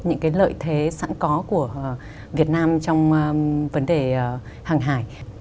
những cái lợi thế sẵn có của việt nam trong vấn đề hàng hải